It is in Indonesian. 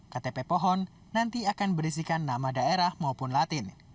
ktp pohon nanti akan berisikan nama daerah maupun latin